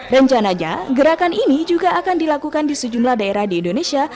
rencananya gerakan ini juga akan dilakukan di sejumlah daerah di indonesia